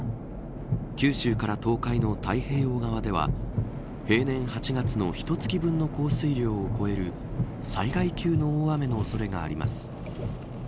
九州から東海の太平洋側では平年８月の１月分の降水量を超える災害級の大雨の恐れがあります。